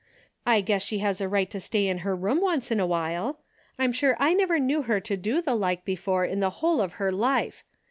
I guess she has a right to stay in her room once in a while. I'm sure I never knew her to do the like before in the whole of her life.